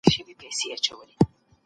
ایا افغان سوداګر وچ انار پروسس کوي؟